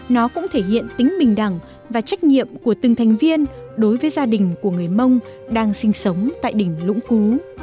nó cũng thể hiện tính bình đẳng và trách nhiệm của từng thành viên đối với gia đình của người mông đang sinh sống tại đỉnh lũng cú